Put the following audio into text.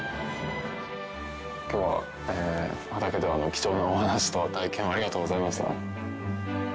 今日は畑では貴重なお話と体験をありがとうございました。